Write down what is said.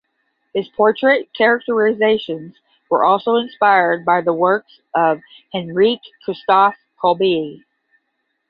His portrait characterizations were also inspired by the works of Heinrich Christoph Kolbe.